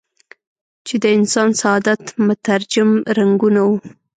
چې د انسان سعادت مترجم رنګونه وو.